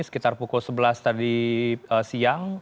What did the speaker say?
sekitar pukul sebelas tadi siang